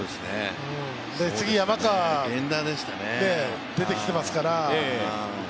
次、山川が出てきていますから。